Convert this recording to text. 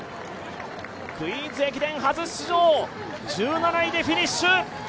「クイーンズ駅伝」初出場、１７位でフィニッシュ。